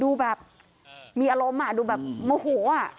ดูแบบมีอารมณ์ดูแบบโมโห